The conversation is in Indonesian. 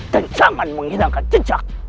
dan jangan menghilangkan jejak